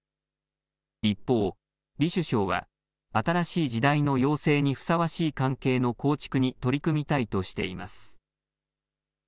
一方、李首相は新しい時代の要請にふさわしい関係の構築に取り組みたいとしています。